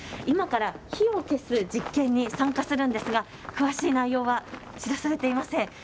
今から火を消す実験に参加するんですが詳しい内容は知らされていません。